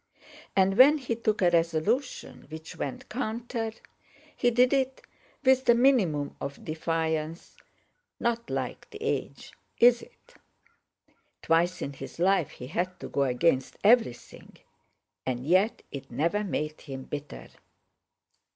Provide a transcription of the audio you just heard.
And when he took a resolution which went counter, he did it with the minimum of defiance—not like the Age, is it? Twice in his life he had to go against everything; and yet it never made him bitter."